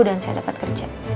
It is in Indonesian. dan saya dapat kerja